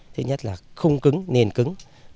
thứ nhất là không cứng nền cứng